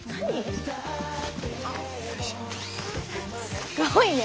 すごいね。